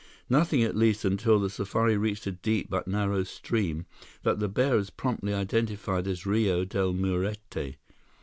Nothing, at least, until the safari reached a deep but narrow stream that the bearers promptly identified as Rio Del Muerte.